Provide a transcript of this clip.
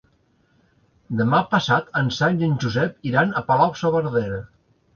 Demà passat en Sam i en Josep iran a Palau-saverdera.